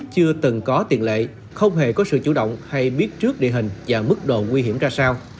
chưa từng có tiền lệ không hề có sự chủ động hay biết trước địa hình và mức độ nguy hiểm ra sao